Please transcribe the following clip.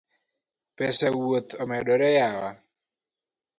Pesa wuoth omedore yawa